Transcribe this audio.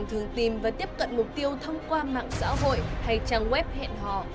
thường tìm và tiếp cận mục tiêu thông qua mạng xã hội hay trang web hẹn hò